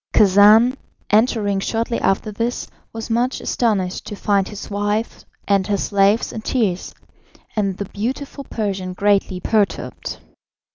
Khacan, entering shortly after this, was much astonished to find his wife and her slaves in tears, and the beautiful Persian greatly perturbed.